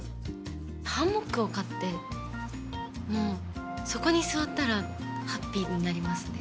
ハンモックを買って、もうそこに座ったらハッピーになりますね。